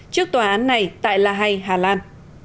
trước tòa án này tại la hay hà lan